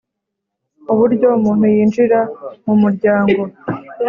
Uburyo umuntu yinjira mu muryango